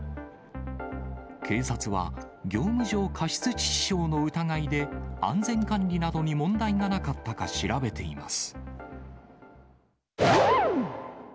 警察は、業務上過失致死傷の疑いで安全管理などに問題がなかったか調べています。